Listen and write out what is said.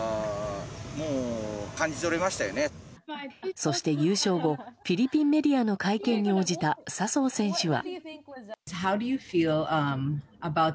そして優勝後フィリピンメディアの会見に応じた笹生選手は。